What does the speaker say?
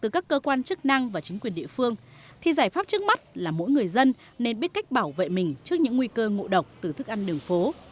các bạn cũng nên biết cách bảo vệ mình trước những nguy cơ ngộ độc từ thức ăn đường phố